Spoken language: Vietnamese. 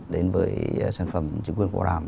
đến với sản phẩm trứng quyền có bảo đảm